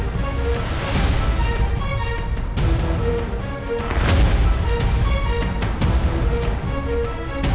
gak mungkin ini gak mungkin